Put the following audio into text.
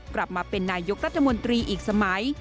กลับมาเป็นนายกรัฐมนตรีอีกสมัย